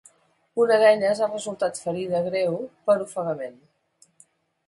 Una d’elles ha resultat ferida greu per ofegament.